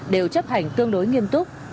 đều chấp hành tương đối nghiêm túc